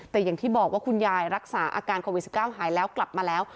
แต่อย่างที่บอกว่าคุณยายรักษาอาการโควิด๑๙หายแล้วกลับมาแล้ว